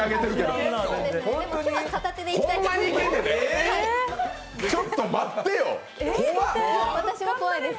今日は片手でいきたいと思います。